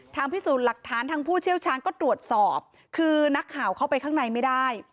พิสูจน์หลักฐานทางผู้เชี่ยวชาญก็ตรวจสอบคือนักข่าวเข้าไปข้างในไม่ได้